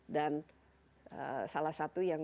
dan salah satu yang